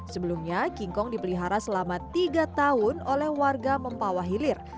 sebelumnya kingkong dipelihara selama tiga tahun oleh warga mempawah hilir